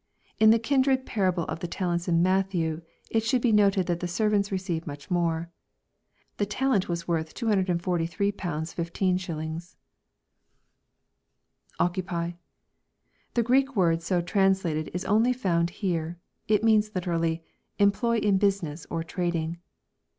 In the kindred parable of the talents in Matthew, it should be noted the servants receive much more. The talent was worth £243 15s. [Occupy.] The Greek word so translated is only found here. It means literally, " employ in business, or trading."